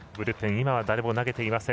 今誰も投げていません。